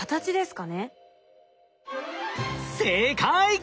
正解！